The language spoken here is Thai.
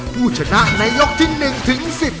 ผู้ชนะในยกที่๑ถึง๑๐